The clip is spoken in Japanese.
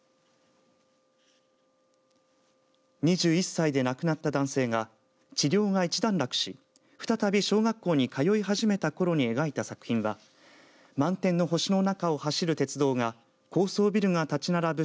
２１歳で亡くなった男性が治療が一段落し再び小学校に通い始めたころに描いた作品は満天の星の中を走る鉄道が高層ビルが立ち並ぶ